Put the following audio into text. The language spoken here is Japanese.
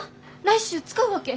来週使うわけ。